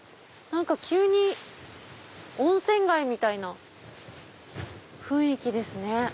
急に温泉街みたいな雰囲気ですね。